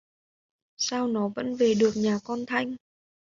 Sao nó vẫn về được nhà con thanh